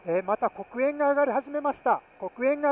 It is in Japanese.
黒煙が上がり始めました。